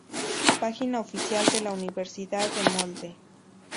Página oficial de la Universidad de Molde